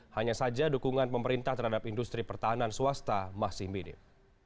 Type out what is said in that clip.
hanya saja dukungan pemerintah terhadap industri pertahanan swasta masih minim